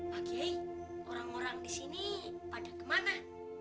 pak kiai orang orang di sini pada kemana